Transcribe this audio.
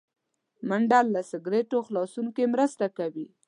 منډه له سګرټو خلاصون کې مرسته کوي